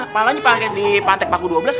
malahnya pake di pantai paku dua belas kali ya